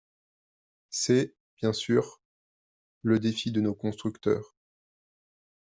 C’est, bien sûr, le défi de nos constructeurs.